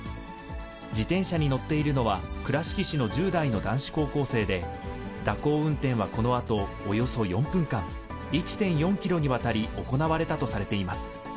自転車に乗っているのは、倉敷市の１０代の男子高校生で、蛇行運転はこのあと、およそ４分間、１．４キロにわたり行われたとされています。